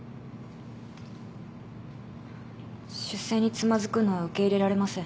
出世につまずくのは受け入れられません。